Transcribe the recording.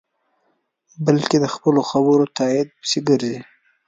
بلکې د خپلو خبرو تایید پسې گرځي.